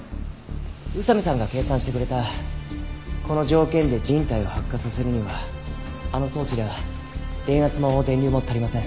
宇佐見さんが計算してくれたこの条件で人体を発火させるにはあの装置では電圧も電流も足りません。